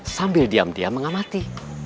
sambil diam diam mengamati